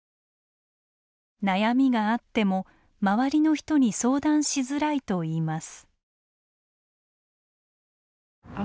悩みがあっても周りの人に相談しづらいといいます。